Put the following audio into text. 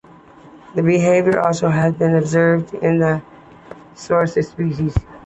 This behaviour has also been observed in some "Sorex" species.